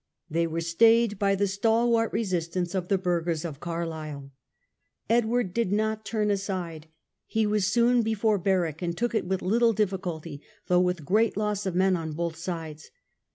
They were stayed by the stalwart resistance of the burghers of Carlisle. Edward did not turn aside. He was soon before Berwick and took it with little difficulty, though with great loss of men on both sides.